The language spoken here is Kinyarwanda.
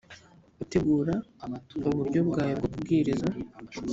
utegura uburyo bwawe bwo kubwiriza